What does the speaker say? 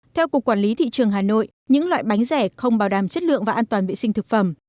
theo cục quản lý thị trường hà nội những loại bánh rẻ không bảo đảm chất lượng và an toàn vệ sinh thực phẩm